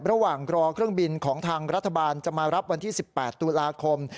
ระหว่างรอเครื่องบินของทางรัฐบาลจะมารับวันที่๑๘ตุลาคม